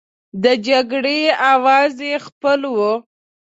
د جګړې اوزار یې خپل وو.